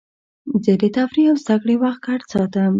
زه د تفریح او زدهکړې وخت ګډ ساتم.